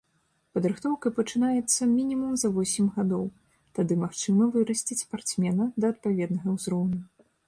Падрыхтоўка пачынаецца мінімум за восем гадоў, тады магчыма вырасціць спартсмена да адпаведнага ўзроўню.